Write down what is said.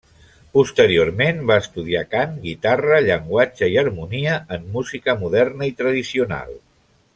Posteriorment va estudiar cant, guitarra, llenguatge i harmonia en música moderna i tradicional.